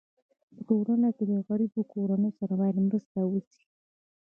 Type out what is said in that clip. په ټولنه کي د غریبو کورنيو سره باید مرسته وسي.